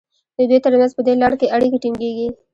د دوی ترمنځ په دې لړ کې اړیکې ټینګیږي.